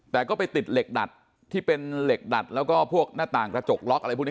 แต่ก็ไปติดเหล็กดัดที่เป็นเหล็กดัดแล้วก็พวกหน้าต่างกระจกล็อกอะไรพวกนี้